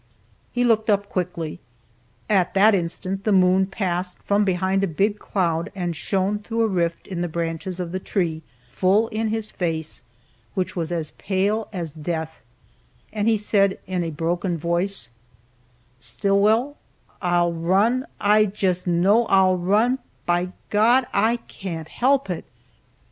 He looked up quickly at that instant the moon passed from behind a big cloud and shone through a rift in the branches of the tree, full in his face, which was as pale as death, and he said, in a broken voice: "Stillwell, I'll run; I just know I'll run, by God, I can't help it!"